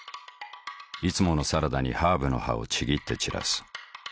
いつものサラダにハーブの葉をちぎって散らす。